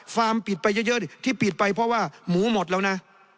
ปิดไปเยอะที่ปิดไปเพราะว่าหมูหมดแล้วนะ